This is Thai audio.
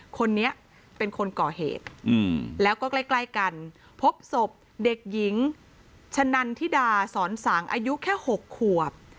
คนนี้เป็นคนก่อเหตุแล้วก็ใกล้กันพบศพเด็กหญิงชะนันทิดาสอนสังอายุแค่๖ขวบ